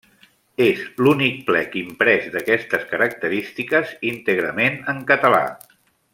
És l’únic plec imprès d'aquestes característiques íntegrament en català.